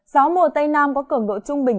gió mùa tây nam có cường độ trung bình